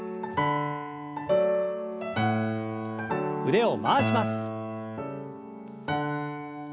腕を回します。